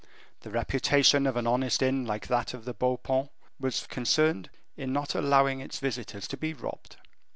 The reputation of an honest inn like that of the Beau Paon was concerned in not allowing its visitors to be robbed.